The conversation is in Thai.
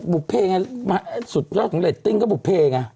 บุภเพไงสุดยอดของเรตติ้งก็บุภเพไง